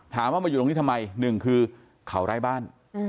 ถามว่ามาอยู่นี่ทำไมหนึ่งคือเขาไร้บ้าน